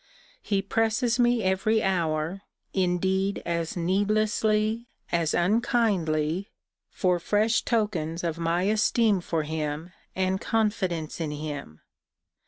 He presses me every hour (indeed as needlessly, as unkindly) for fresh tokens of my esteem for him, and confidence in him.